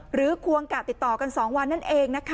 ควงกะติดต่อกัน๒วันนั่นเองนะคะ